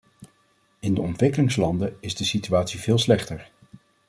In de ontwikkelingslanden is de situatie veel slechter.